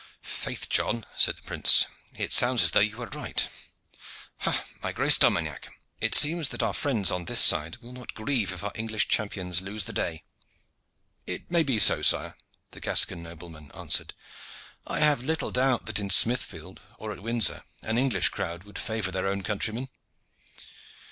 "Faith, John," said the prince, "it sounds as though you were right. Ha! my grace D'Armagnac, it seems that our friends on this side will not grieve if our English champions lose the day." "It may be so, sire," the Gascon nobleman answered. "I have little doubt that in Smithfield or at Windsor an English crowd would favor their own countrymen."